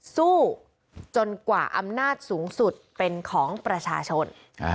สู้จนกว่าอำนาจสูงสุดเป็นของประชาชน